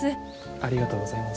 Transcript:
ありがとうございます。